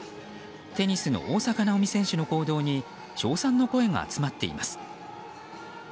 テニスの大坂なおみ選手の行動に称賛の声が集まっています。